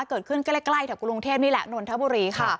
เกิดขึ้นใกล้ถึงกรุงเทพนี่แหละนนทบุรีค่ะ